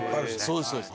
そうですそうです。